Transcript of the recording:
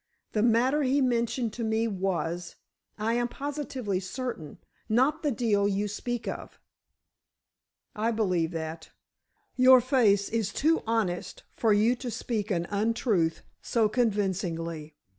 The matter he mentioned to me was, I am positively certain, not the deal you speak of." "I believe that. Your face is too honest for you to speak an untruth so convincingly.